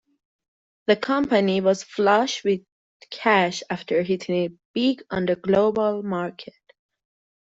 The company was flush with cash after hitting it big on the global market.